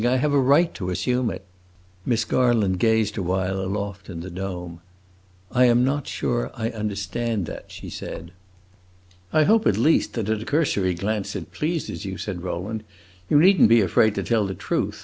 I have a right to assume it." Miss Garland gazed awhile aloft in the dome. "I am not sure I understand that," she said. "I hope, at least, that at a cursory glance it pleases you," said Rowland. "You need n't be afraid to tell the truth.